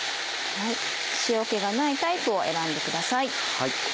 塩気がないタイプを選んでください。